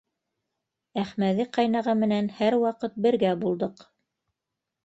Әхмәҙи ҡайнаға менән һәр ваҡыт бергә булдыҡ.